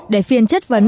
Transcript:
để phiên chất vấn